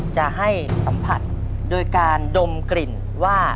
จะให้สัมผัสโดยการดมกลิ่นว่า